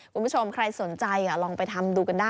คุณผู้ชมใครสนใจลองไปทำดูกันได้